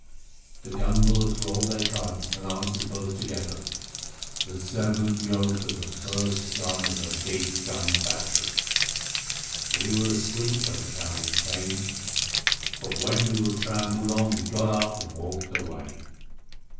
The gun bullocks rolled their cuds, and answered both together: "The seventh yoke of the first gun of the Big Gun Battery. We were asleep when the camels came, but when we were trampled on we got up and walked away.